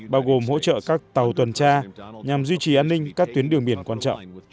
bao gồm hỗ trợ các tàu tuần tra nhằm duy trì an ninh các tuyến đường biển quan trọng